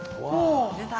出た。